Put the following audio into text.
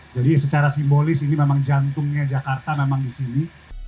jadi secara simbolis ini memang jantungnya jakarta memang di sini